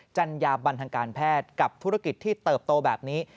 จัญญาบันทางการแพทย์กับธุรกิจที่เติบโตแบบนี้